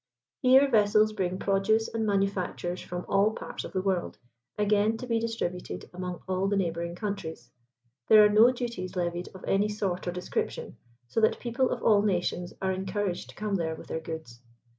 Here vessels bring produce and manufactures from all parts of the world, again to be distributed among all the neighbouring countries. There are no duties levied of any sort or description, so that people of all nations are encouraged to come there with their goods.